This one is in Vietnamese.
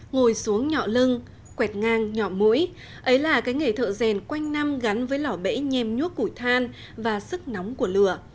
ngồi xuống nhọ lưng quẹt ngang nhọ mũi ấy là cái nghề thợ rèn quanh năm gắn với lỏ bẫy nhem nhuốc củi than và sức nóng của lửa